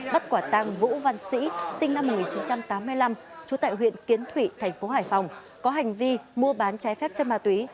bắt quả tăng vũ văn sĩ sinh năm một nghìn chín trăm tám mươi năm trú tại huyện kiến thụy thành phố hải phòng có hành vi mua bán trái phép chất ma túy